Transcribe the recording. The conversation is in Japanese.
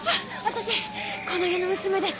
私この家の娘です。